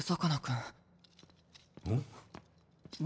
ん？